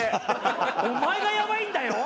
お前がやばいんだよ？